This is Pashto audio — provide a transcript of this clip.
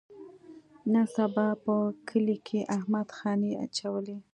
نن سبا په کلي کې احمد خاني چولي.